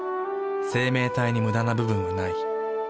生命体にムダな部分はない。